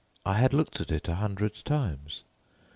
I had looked at it a hundred times.